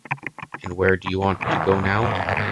And where do you want to go now?